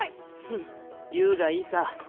フン言うがいいさ。